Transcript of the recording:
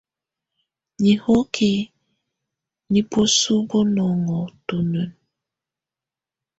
Nihokiǝ nɛ̀ buǝ́suǝ́ bunɔnɔ tunǝn.